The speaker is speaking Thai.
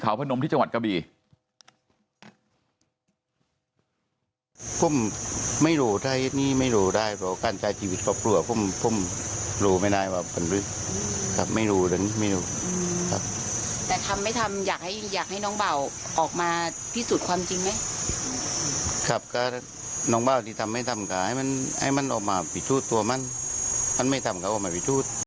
เขาพนมที่จังหวัดกะบี